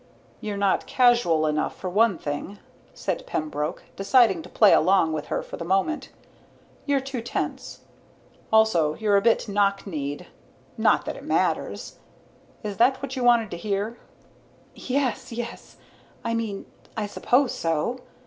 "You're not casual enough, for one thing," said Pembroke, deciding to play along with her for the moment. "You're too tense. Also you're a bit knock kneed, not that it matters. Is that what you wanted to hear?" "Yes, yes I mean, I suppose so.